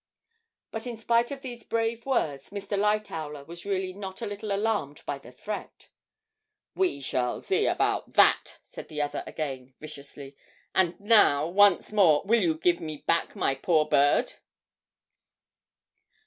But in spite of these brave words Mr. Lightowler was really not a little alarmed by the threat. 'We shall see about that,' said the other again, viciously. 'And now, once more, will you give me back my poor bird?'